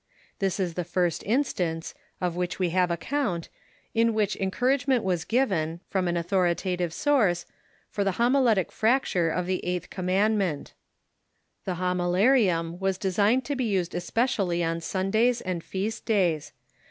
This is the first instance, of which we have account, in which encouragement was given, from an authori tative source, for the homiletic fracture of the Eighth Com THE PUBLIC SERVICES 135 mandmcnt. The Ilomilarium was designed to be used espe cially on Sundays and feast days.